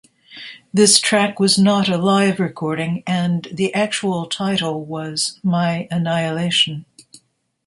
This track was not a live recording, and the actual title was My Annihilation.